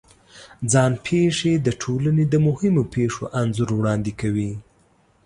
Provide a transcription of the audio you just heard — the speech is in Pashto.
ځان پېښې د ټولنې د مهمو پېښو انځور وړاندې کوي.